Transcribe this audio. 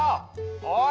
おい！